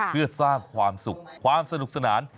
เพื่อสร้างความสุขความสนุกสนาน